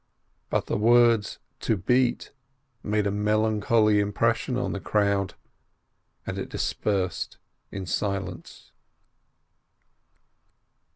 The words "to beat" made a melancholy impression on the crowd, and it dispersed in silence.